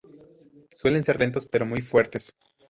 Suelen ser lentos, pero son muy fuertes.